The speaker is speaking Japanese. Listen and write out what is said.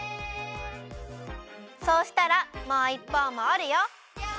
そうしたらもういっぽうもおるよ！